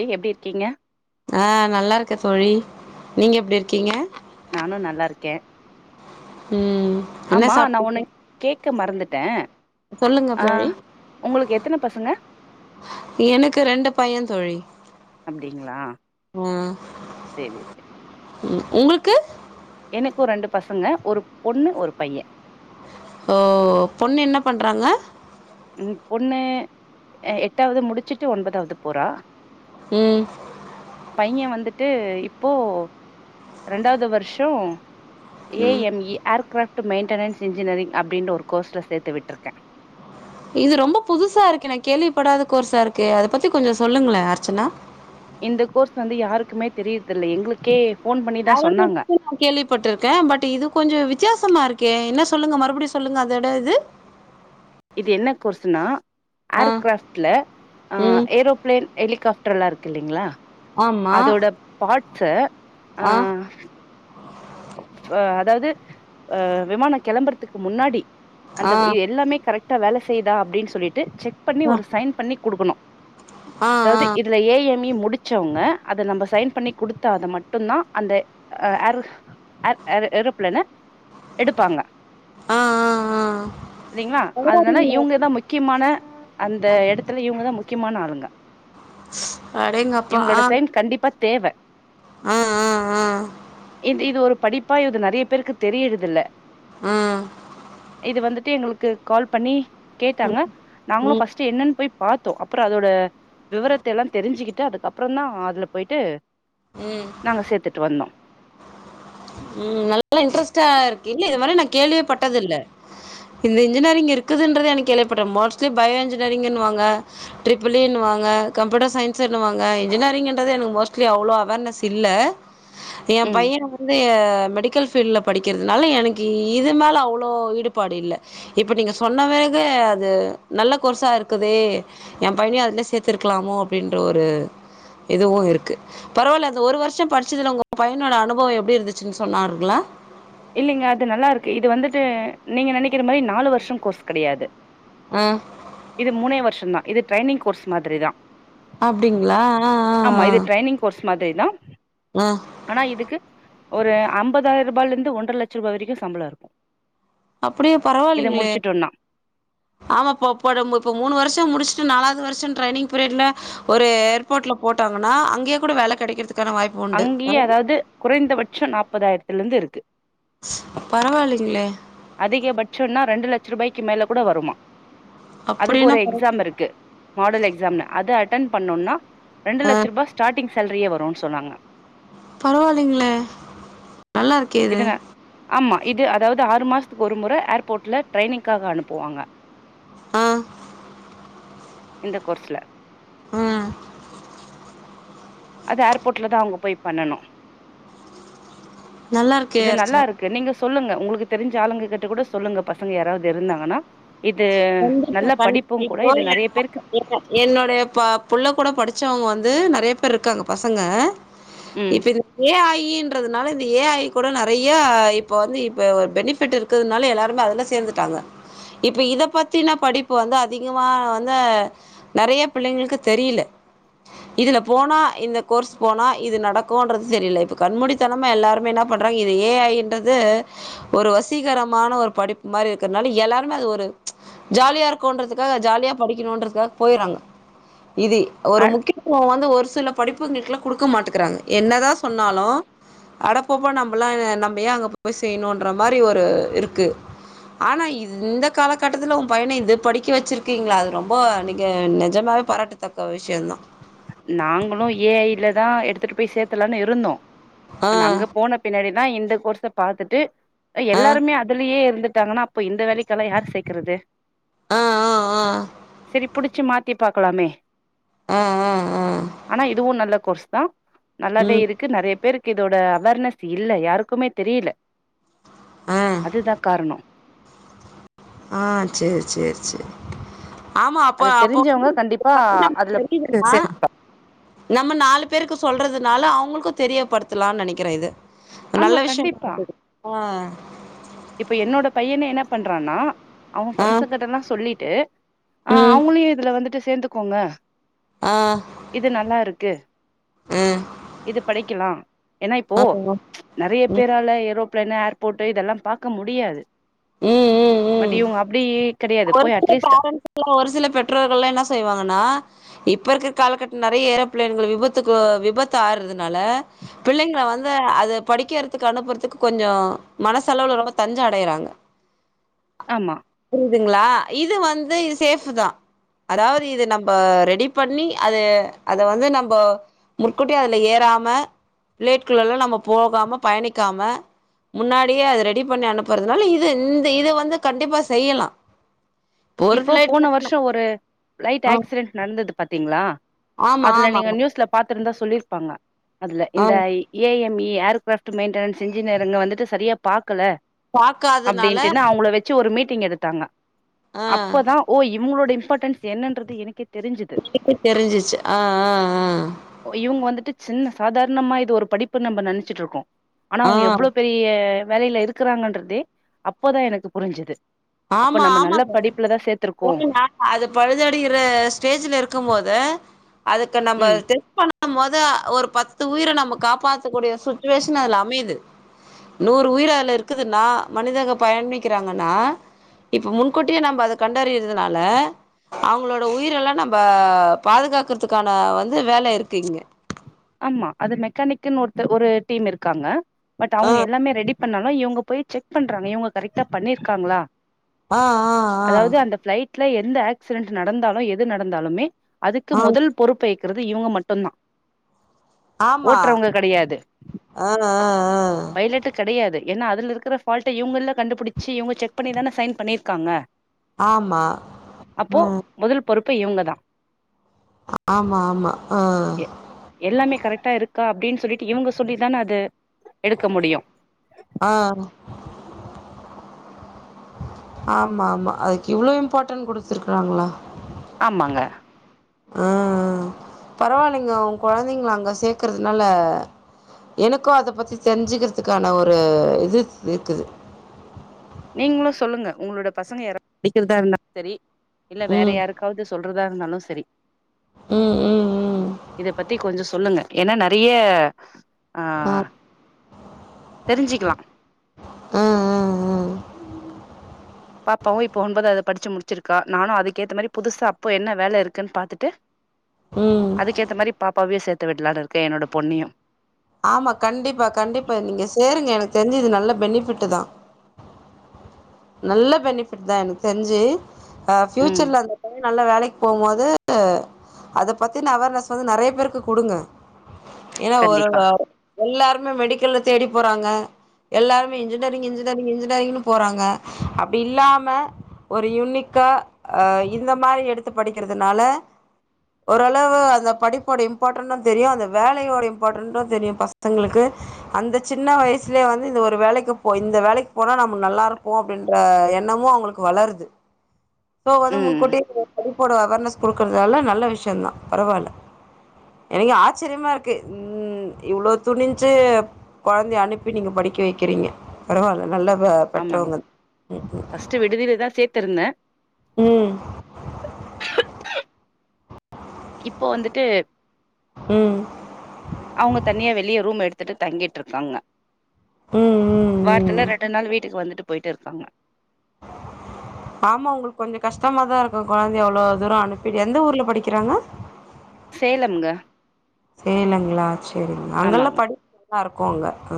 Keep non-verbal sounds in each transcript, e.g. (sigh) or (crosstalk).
ஏ எப்டி இருக்கீங்க ஆஹ் நல்லா இருக்கேன் தோழி நீங்க எப்டி இருக்கீங்க நானும் நல்லா இருக்கேன் உம் ஆமா நான் உன்னை கேக்க மறந்துட் டே சொல்லுங்க தோழி எத்தன பசங்க எனக்கு ரெண்டு பையன் தோழி அப்டிங்களா உஹ் சேரி சேரி உம் உங்களுக்கு எனக்கு ரெண்டு பசங்க ஒரு பொண்ணு ஒரு பையன் ஓ பொண்ணு என்ன பண்றாங்க உம் பொண்ணு எட்டாவது முடிச்சுட்டு ஒன்பதாவது போறா உம் பையன் வந்துட்டு இப்போ இரண்டாவது வருஷம் ம் ஏஎம்இ ஏர்கிராப்ட் மெயின்டெனன்ஸ் இன்ஜினியரிங் அப்படின்ற ஒரு கோர்ஸ்ல சேர்த்து விட்டுருக்கே இது ரொம்ப புதுசா இருக்கு நான் கேள்விப்படாத கோர்ஸ்சா இருக்கு அதை பத்தி கொஞ்சம் சொல்லுங்களே அர்ச்சனா இந்த கோர்ஸ் வந்து யாருக்குமே தெரியதில்லை எங்களுக்கே ஃபோன் பண்ணிதா சொன்னாங்க அல்பட்னு நான் கேள்விப்பட்டிருக்கேன் பட் இது கொஞ்சம் வித்தியாசமா இருக்கு ஓகே என்ன சொல்லுங்க மறுபடியும் சொல்லுங்க அந்த இடம் எது இது என்ன கோர்ஸ்னா ஆ ஏர்கிராப்ட்ல ம் ஏரோபிளேன் ஹெலிகாப் சுற்றலா இருக்கு இல்லங்களா ஆமா அதோட பா்ட்ஸ் ஆ அ அதாவது அஹ் விமானம் கிளம்புறதுக்கு முன்னாடி அந்த ஆ இது எல்லமே கரெக்டா வேலை செய்த அப்பின்னு சொல்லிட்டு செக் பண்ணி ஒரு சைன் பண்ணி கொடுக்கணும் ஆ ஆ அதாவது ஆ இதுல ஏ எம்இ மூ புடிச்சவங்க அதை நம்ம சைன் பண்ணி கொடுத்தா அத மட்டும் தான் அந்த அர் அ அ எறோப்லேன்ன எடுப்பாங்க ஆ ஆ ஆ சரிங்களா அதனால பரவாயில்ல. இவங்கதான் முக்கியமான அந்த எடத்துல இவுங்கதான் முக்கிய முக்கியமான ஆளுங்க அடேங்கப்பா இவங்களோட ஆஹ் சைன் கண்டிப்பா தேவ ஆஹ் ஆஹ் ஆஹ் இது இது ஒரு படிப்பா இது நெறைய பேருக்கு தெரியிறது இல்ல ஆஹ் இது வந்துட்டு எங்களுக்கு கால் பண்ணி கேட்டாங்க நாங்களும் ம் ஃப்ர்ஸ்ட் என்னன்னு போய் பாத்தோம் அப்புறம் அதோட விவரத்த எல்லாம் தெரிஞ்சுக்கிட்டு அதுக்கப்புறம் தான் அதுல போயிட்டு ம் நாங்க சேத்துட்டு வந்தோம் உம் நல்லா இன்டரஸ்டா இருக்கு இல்ல இது மாரி நான் கேள்விப்பட்டது இல்ல இந்த இன்ஜினியரிங் இருக்குதுன்றதே எனக்கு கேள்விப்பட்டேன் மோஸ்ட்லி பயோ இன்ஜினியரிங்வாங்க ட்ரிபிள்னுவாங்க கம்ப்யூட்டர் சயின்ஸ்ன்னுவாங்க இன்ஜினியரிங்ன்றது எனக்கு மோஸ்ட்லி அவ்ளோ அவர்னஸ் இல்ல ஏன் ம் பையன் ஆஹ் மெடிக்கல் ஃப்ல்டுல படிக்கிறதுனால எனக்கு இது மேல அவ்ளோ ஈடுபாடு இல்ல இப்ப நீங்க சொன்ன வேகு அது நல்ல கோர்ஸா இருக்குதே என் பையனயும் அதுலயே சேர்த்திருக்கலாமோ அப்டின்ற ஒரு இதுவும் இருக்கு பரவாயில்ல ஒரு வருஷம் படிச்சதுல உங்க பையனோட அனுபவம் எப்டி இருந்துச்சுன்னு சொன்னாருங்களா இல்லங்க அது நல்லா இருக்கு இது வந்துட்டு நீங்க நெனைக்கிற மாரி நாலு வருஷம் கோர்ஸ் கிடையாது ஆ இது மூணே வருஷம் தான் இது ட்ரைனிங் கோர்ஸ் மாதிரி தான் அப்டிங்களா ஆஹ் ஆஹ் ஆஹ் ட்ரைனிங் (unintelligible) ஆனா இதுக்கு ஒரு ஐம்பதாயிர ரூபாலருந்து ஒன்ற லட்சம் ரூவா வரைக்கும் சம்பளம் இருக்கும் அப்படியா பரவாயில்லைகளே ஆமாப்பா இப்ப நம்ப மூணு வருஷம் முடிச்சு ட்டு நாலாவது வருஷம் டிரெய்னிங் பீரியடுல ஒரு ஏர்போர்ட்ல போட்டாங்கன்னா அங்கேயே கூட வேல கெடைக்கிறதுக் அங்கயே அதாவுது குறைந்தபட்சம் நாப்பதாயிரத்துல இருந்து இருக்கு பரவாயில்லைங்களே அதிகபட்சோனா ரெண்டு லட்சம் ரூபாய் க்கு மேல கூட வருமா அதுக்கு அப்டின்னா ஒரு பர எக்ஸாம் இருக்கு மாடல் எக்ஸாம்னு அது அடி அட்டன் பண்ணோனா ரெண்டு ஆ லட்ச ரூபா ஸ்டார்ட்டிங் சேலரியே வரும் சொன்னாங்க பரவாயில்லைங்களே நல்லா இருக்கே இது துக்கு ஒரு முறை ஏர்போர்ட்ல ட்ரெய்னிங்காக அனுப்புவாங்க ஆஹ் இந்த கோர்ஸ்ல உம் அது ஏர்போர்ட்ல தான் அவுங்க போய் பண்ணனும் நல்லா இருக்கே இது அர்ச்சனா நல்லா இருக்கு நீங்க சொல்லுங்க உங்களுக்கு தெரிஞ்ச ஆளுங்க கிட்ட கூட சொல்லுங்க பசங்க யாராவது இருந்தாங்கன்னா இது கண்டிப்பா நல்ல கண்டி படிப்பும் கூட இப்போ இது நெறைய பேருக்கு என்னுடைய புள்ள கூட படிச்சவங்க வந்து நெறைய பேர் இருக்காங்க பசங்க ம் இப்ப இது ஏ ஐ ன்றது னால இந்த ஏ ஐ கூட நெறைய இப்ப வந்து இப்ப ஒரு பெனிஃபிட் இருக்குதுனால எல்லாருமே அதுல சேர்ந்துட்டாங்க இப்ப இத பத்தின படிப்பு வந்து அதிகமா வந்து நெறைய பிள்ளைங்களுக்கு தெரியல இதுல போனா இந்த கோர்ஸ் போனா இது நடக்கும்ன்றது தெரியல இப்ப கண்மூடித்தனமா எல்லாருமே என்ன பண்றாங்க இது ஏ ஐ ன்றது ஒரு வசீகரமான ஒரு படிப்பு மாதிரி இருக்கனால எல்லாருமே அது ஒரு ஜாலியா இருக்கோன்றதுக்காக ஜாலியா படிக்கணுன்றதுக்காக போய்றாங்க இது அ ஒரு முக்கியத்துவம வந்து ஒரு ல்ல படிப்புங்களுக்குல்லாம் கொடுக்க மாட்டுக்குறாங்க என்னதான் சொன்னாலும் அடப்போப்ப நம்மல்லாம் நம்ம ஏ அங்க போய் செய்யணும்ன்ற மாதிரி ஒரு இருக்கு ஆனா இந்த காலகட்டத்துல உன் பைய்ன இந்து படிக்க வச்சிருக்கீங்களா அது ரொம்ப நீங்க நிஜமாவே பாராட்டுத்தக்க விஷயோ தான் நாங்களும் ஏ ஐ ல தான் எடுத்துட்டு போய் சேர்த்தலானு இருந்தோம் ஆ இப்ப நா அங்க போன பின்னாடி ன்னா இந்த கோர்ஸ பாத்துட்டு எல்லாருமே அதுலேயே இருந்து டாங்கன்னா அப்ப இந்த வேலைக்கெல்லா யார் சேக்குறது ஆஹ் ஆஹ் ஆஹ் புடிச்சி மாத்தி பாக்லாமே உம் உம் ஆனா இதுவும் நல்ல கோஸ் தான் நல்லாவே ம் இருக்கு நெறைய பேருக் இதோட அவர்னஸ் இல்ல யாருக்குமே தெரியில ஆ அதுதா காரணோ ஆஹ் செரி செரி செரி ஆமா அப்ப அது அப்பபோ தெரிஞ்சவங்க கண்டிப்பா வந்து அதுல தெரியதுன்னா சரிப்பா நம்ம நாலு பேருக்கு சொல்றது அதனால அவங்களுக்கும் தெரியப்படுத்தலான்னு நினைக்கிறேன் இது ஒரு ஆமா நல்ல விஷயம் கண்டிப்பா இருக்கு ஆஹ் இப்ப என்னோட பையனே என்ன பண்றானா அவங்க ஆ ஃப்ரெண்ட்ஸ கிட்டல்லாம் சொல்லிட்டு ஆஹ் ம் அவங்களையும் இதுல வந்துட்டு சோந்துக்கோங்க ஆ இது நல்லா இருக்கு ஆ இது படிக்கலாம் ஏன்னா இப்போ ஆமாங்க நெறைய பேரால ஏரோ பர்ன என்ன ஏர்பேட்டு இதெல்லாம் பா இருக்க முடியாது உம் உம் உம் பட் இவங்க அப்புடி ஒரு சில பேரண்ஸ்ல்லாம் ஒரு சில பெற்றோர்கல்லாம் என்ன செய்வாங்கன்னா இப்ப இருக்கிற காலகட்ட நிறைய ஏரோப்பிளோன்கள் விபத்துக்கு விபத்து ஆறுறதுனால பிள்ளைங்க வந்து அதான் படிக்கிறதுக்கு அனுப்புறதுக்கு கொஞ்சம் மனசளவு ரொம்ப தஞ்சா அடையறாங்க ஆமா இதுங்களா இது வந்து இது சேஃப் தான் அதாவது இது நம்ம ரெடி பண்ணி அது அதை வந்து நம்ம முற்கூட்டி அதுல ஏறாம பிளேட்டுக்குள்ளல்லாம் நம்ம போகாம பயணிக்காம முன்னாடியே அது ரெடி பண்ணி அனுப்புறதுனால இது இந்த இது வந்து கண்டிப்பா செய்யலாம் இப்போ போன வருஷம் ஒரு ஃபிலைட் ஆ ஆக்சிடென்ட் நடந்தது பாத்தீங்களா ஆமா அதுல ஆமா நீங்க நியூஸ்ல பாத் இருந்தா சொல்லியிருப்பாங்க அதுல ஆ இந்த ஏ எஃப் மி ஏர் கிராஃப்ட் மெயின்டன்ஸ்ன்ஜினியர்ங்க வந்துட்டு சரியா பாக்கல பாக்காதனால அப்டின்ட்டுன்னு அவங்கள வச்சு ஒரு மீட்டிங் எடுத்தாங்க ஆ அப்பதான் ஓ இப் உங்களோட இம்பார்ட்டன்ஸ் என்னன்றது எனக்கே தெ எனக்கு தெரிஞ்சிச்சு ஆஹ் ஆஹ் ஆஹ் ஓ, இவங்க வந்துட்டு சின்ன சாதாரணமா இது ஒரு படிப்பு நம்ம நினைச்சிட்டு இருக்கோம் ஆனா ஆ ஆ அவுங்க எவ்வளவு பெரிய வேலையில இருக்கிறாங்கன்றதே அப்போதான் எனக்கு புரிஞ்சது ஆமா ஆமாங்க பூர்ணிமா அது பழுதுஅடைகிற ஸ்டேஜ்ல இருக்கும் போது அதுக்கு நம்ம ம் டெஸ் பண்ண மோது ஒரு பத்து உயிரு நம்ம காப்பாத்தக்கூடிய சுச்சுவேஷன் அதுல அமையுது நூறு உயிரு அதுல இருக்குதுன்னா மனிதங்க பயனிக்கிறாங்கன்னா இப்ப முன்கூட்டியே நம்ம அதை கண்டறியறதுனால அவுங்களோட உயிர எல்லாம் நம்ம பாதுகாக்கறதுக்கான வந்து வேலை இருக்கு இங்க ஆமா அது மெக்கானிக்ன்னு ஒரு ஒரு டீம் இருக்காங்க பட் அவுங்க எல்லாமே ரெடி பண்ணாலும் இவுங்க போய் செக் பண்றாங்க இவுங்க கரெக்டா பண்ணியிருக்காங்களா ஆஹ் ஆஹ் ஆஹ் ல எந்த ஆக்சிடென்ட் நடந்தாலும் எது நடந்தாலுமே அதுக்கு ஆ ஆ முதல் பொறுப்பை இருக்கறது இவுங்க மட்டும்தான் ஆமா ஆஹ் ஆஹ்ஹ் பைலட்டு கெடையாது ஏன்னா அதுல இருக்கிற ஃபால்ட்டை இவங்கல்ல கண்டுபிடிச்சி இவங்க செக் பண்ணிதானே சைன் பண்ணியிருக்காங்க ஆமா ஆஹ் ப்பவுங்க தான் ஆமா ஆமா ஆஹ் எல்லாமே கரெக்டா இருக்கா அப்படின்னு சொல்லிட்டு இவங்க சொல்லிதானே அது எடுக்க முடியும் ஆஹ் ஆமா ஆமா அதுக்கு இவ்ளவு இம்பார்ட்டன் குடுத்து இருக்காங்களா ஆமாங்க ஆஹ் பரவாயில்லைங்க உங்க கொழந்தைங்கள அங்க சேக்கறதுனால எனக்கும் அத பத்தி தெரிஞ்சுக்கிறதுக்கான ஒரு இது இருக்குது நீங்களும் சொல்லுங்க உங்களோட பசங்க யாராவது படிக்கிறதா இருந்தாலும் சரி இல்ல வேற ம் யாருக்காவது சொல்றதா இருந்தாலும் சரி ம் ம் ம் இத பத்தி கொஞ்சம் சொல்லுங்க ஏன்னா நிறைய ஆ ஆஹ் தெரிஞ்சிக்கலாம் ஆ ஆ ஆ பாப்பாவும் இப்ப ஒன்பதாவது படிச்சு முடிச்சிருக்கா நானும் அதுக்கேத்த மாரி புதுசா அப்போ என்ன வேல இருக்குன்னு பாத்துட்டு ம் அதுக்கேத்த மாரிப் பாப்பாவேயே சேத்து வீடலான் இருக்கேன் என்னோட பொண்ணேயும் ஆமா கண்டிப்பா கண்டிப்பா நீங்க சேருங்க எனக்கு தெரிஞ்சி இது நல்ல பெனிஃபிட்டு் தான் நல்ல பெனிபிட் தான் எனக்கு தெரிஞ்சு அஹ் ம் ஃபியூச்சர்ல அந்த பையன் நல்ல வேலைக்கு போகும்போது அத பத்தி அவர்னஸ் வந்து நெறைய பேருக்கு குடுங்க ஏன்னா ஒரு கண்டிப்பா எல்லாருமே மெடிக்கல்ல தேடி போறங்க எல்லாருமே இன்ஜினியரிங் இன்ஜினியரிங் இன்ஜினியரிங்ன்னு போறாங்க அப்படி இல்லாம ஒரு யுனிக்கா அஹ் இந்த மாதிரி எடுத்து படிக்கிறதுனால ஓரளவு அந்த படிப்போட இம்பார்ட்டனம் தெரியும் அந்த வேலயோட இம்பார்ட்டன்டும் தெரியும் பசங்களுக்கு அந்த சின்ன வயசுலயே வந்து இந்த ஒரு வேலக்கு போ இந்த வேலக்கு போனா நம்ம நல்லா இரு ப்போம் அப்படின்ற எண்ணமும் அவங்களுக்கு வளரது சோ வந்து முன் ம் கூட்டியே படிப்போட அவர்னஸ் கொடுக்கறதால நல்ல விஷயம் தான் பரவாயில்ல எனக்கு ஆச்சரியமா இருக்கு ம் இவ்ளோ துணிஞ்சு கொழந்தைய அனுப்பி நீங்க படிக்க வக்கிறீங்க பரவாயில்ல நல்ல ஆமாங்க பெற்றவங்க ஃப்ஸ்ட்டு விடுதிலதான் சேத் திருடன உம் இப்போ வந்துட்டு ம் ம் அவங்க தனியா வெளிய ரூம் எடுத் பத்துட்டு தங்கிட்டு இருக்காங்க ம் ம் வாரத்தில ரெண்டு நாள் வீட்டுக்கு வந்துட்டு போயிட்டு இருக்காங்க ஆமா உங்களுக்கு கொஞ்சம் கஷ்டமாதான் இருக் உன் கொழந்தை எவ்வளவு தூரம் அனுப்பி எந்த ஊர்ல படிக்கிறாங்க சேலம் ங்க சேலங்களா சரிங்க அங்கெல்லாம் படி (inaudible) நல்லா இருக்கும் அங்க உஹ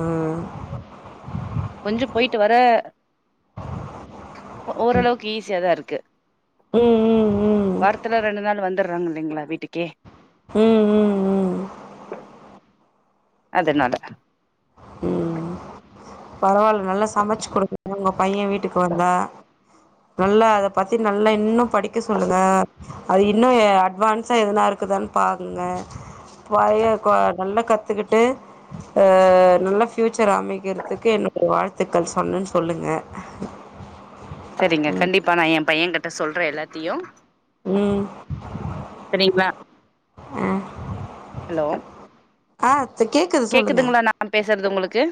கொஞ்சம் போயிட்டு வர ஓரளவுக்கு ஈஸியாதான் இரு க்கு ம் ம் ம் வாரத்துல ரெண்டு நாள் வந்து டுறாங்க இல்லைங்களா வீட்டுக்கே உம் உம் உம் அதுனால உம் பரவால்ல நல்லா சமைச்சு கொடுக்குங்க உங்க பையன் வீட்டுக்கு வந்தா நல்லா அத பத்தி நல்லா இன்னும் படிக்க சொல்லுங்க அது இன்னும் அட்வான்ஸா எதனா இருக்குதான பாருங்க பைய நல்லா கத்துக்கிட்டு அஹ் நல்ல ஃபியூச்சர் அமைக்கிறதுக்கு என்னுடைய வாழ்த்துக்கள் சொன்னன்னு சொல்லுங்க சேரிங்க கண்டிப்பா நான் எம் பையன் கிட்ட சொல்றேன் எல்லாத்தையும் ம் சரிங்ளா ஆஹ் ஹலோ ஆஹ் கேக்குதுங்களா நான் பேசுறது உங்களுக்கு